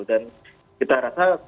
dan kita rasa